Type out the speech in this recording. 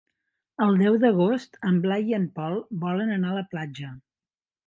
El deu d'agost en Blai i en Pol volen anar a la platja.